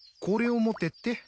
これを持てって？